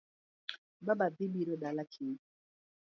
Baba dhi biro dala kiny